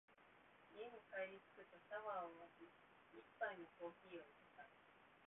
家に帰りつくとシャワーを浴び、一杯のコーヒーを淹れた。